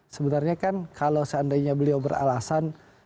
sebenarnya kan kalau seandainya beliau beralasan